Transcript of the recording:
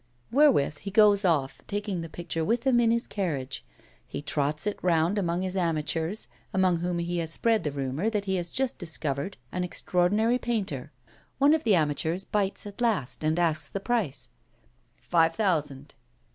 Wherewith he goes off, taking the picture with him in his carriage. He trots it round among his amateurs, among whom he has spread the rumour that he has just discovered an extraordinary painter. One of the amateurs bites at last, and asks the price. "'Five thousand."